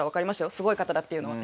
すごい方だっていうのは。